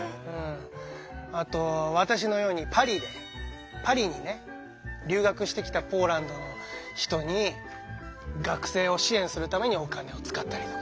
あと私のようにパリに留学してきたポーランドの人に学生を支援するためにお金を使ったりとか。